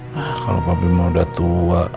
nah kalau pabrik mah udah tua